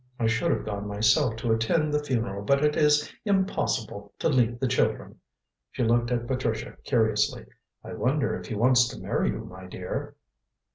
I should have gone myself to attend the funeral, but it is impossible to leave the children." She looked at Patricia curiously. "I wonder if he wants to marry you, my dear."